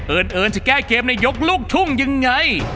เอิญเอิญจะแก้เกมในยกลูกทุกอย่างไร